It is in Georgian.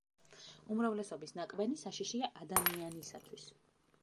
უმრავლესობის ნაკბენი საშიშია ადამიანისათვის.